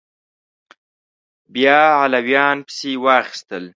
بیا علویان پسې واخیستل